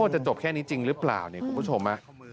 จะจบแค่นี้จริงหรือเปล่าเนี่ยคุณผู้ชม